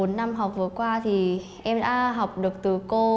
bốn năm học vừa qua thì em đã học được từ cô